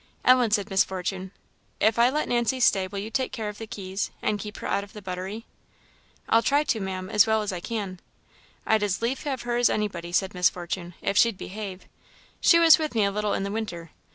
"Ellen," said Miss Fortune, "if I let Nancy stay will you take care of the keys, and keep her out of the buttery?" "I'll try to, Ma'am, as well as I can." "I'd as lief have her as anybody," said Miss Fortune, "if she'd behave. She was with me a little in the winter.